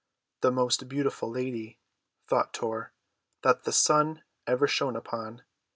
The most beautiful lady, thought Tor, that the sun ever shone upon.